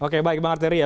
oke baik bang arteri ya